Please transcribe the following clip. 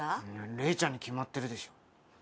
麗ちゃんに決まってるでしょ。